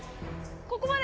ここまで！